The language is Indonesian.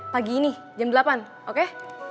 pagi ini jam delapan oke